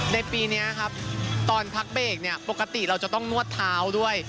ในปีนี้ครับตอนพักเบรกเนี่ยปกติเราจะต้องนวดเท้าด้วย